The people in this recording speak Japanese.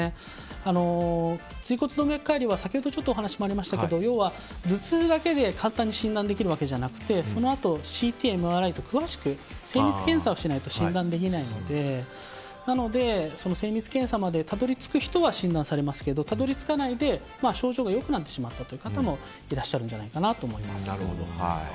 椎骨動脈解離は要は頭痛だけで簡単に診断できるわけじゃなくてそのあとＣＴ、ＭＲＩと詳しく精密検査をしないと診断できないので精密検査までたどり着く人は診断されますけどたどり着かないで症状が良くなってしまったという方もいらっしゃるんじゃないかと思います。